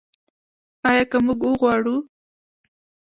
آیا که موږ وغواړو؟